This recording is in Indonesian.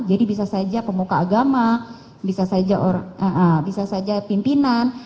jadi bisa saja pemuka agama bisa saja pimpinan